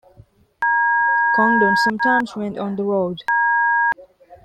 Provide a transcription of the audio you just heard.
Congdon sometimes went on the road.